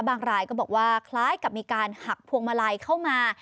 รายก็บอกว่าคล้ายกับมีการหักพวงมาลัยเข้ามา